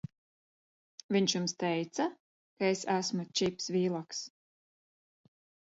Viņš jums teica, ka es esmu Čips Vīloks?